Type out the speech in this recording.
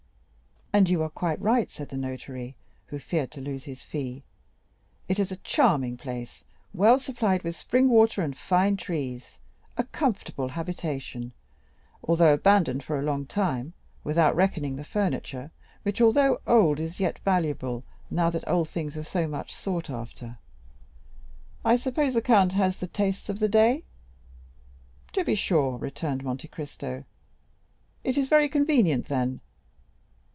"And you are quite right," said the notary, who feared to lose his fee. "It is a charming place, well supplied with spring water and fine trees; a comfortable habitation, although abandoned for a long time, without reckoning the furniture, which, although old, is yet valuable, now that old things are so much sought after. I suppose the count has the tastes of the day?" "To be sure," returned Monte Cristo; "it is very convenient, then?"